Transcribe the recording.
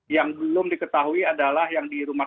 yang belum diketahui adalah yang di rumah